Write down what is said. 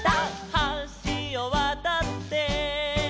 「はしをわたって」